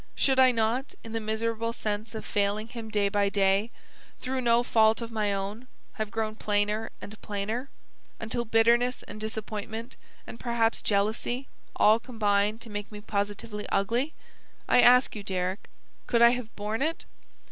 Should I not, in the miserable sense of failing him day by day, through no fault of my own, have grown plainer and plainer; until bitterness and disappointment, and perhaps jealousy, all combined to make me positively ugly? I ask you, Deryck, could I have borne it?"